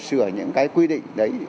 sửa những cái quy định đấy